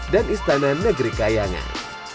dan istana negeri kayangan